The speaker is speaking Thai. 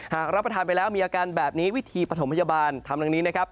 หากรับประทานไปแล้วมีอาการแบบนี้วิธีปฐมพยาบาลทำดังนี้นะครับ